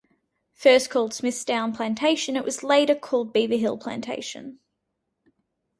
First called Smithstown Plantation, it was later called Beaver Hill Plantation.